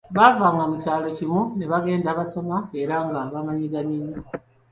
Baavanga ku kyalo kimu ne bagenda basoma era nga bamanyiganye nnyo.